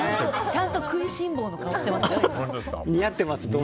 ちゃんと食いしん坊の顔してますね。